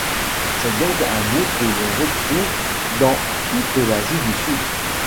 C'est donc un mot que l'on retrouve dans toute l'Asie du Sud.